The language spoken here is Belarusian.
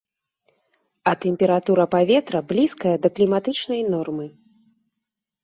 А тэмпература паветра блізкая да кліматычнай нормы.